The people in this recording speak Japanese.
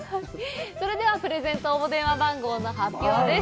それではプレゼント応募電話番号の発表です。